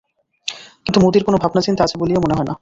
কিন্তু মতির কোনো ভাবনাচিন্তা আছে বলিয়া মনে হয় না।